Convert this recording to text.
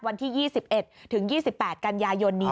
วันที่๒๑ถึง๒๘กันยายนนี้